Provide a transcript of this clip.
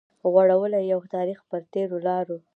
غوړولي يو تاريخ پر تېرو لارو